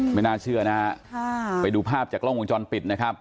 ไม่น่าเชื่อนะฮะไปดูภาพจากกล้องวงจรปิดนะครับ